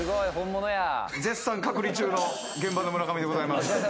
絶賛隔離中の現場の村上でございます。